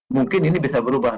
mungkin ini bisa berubah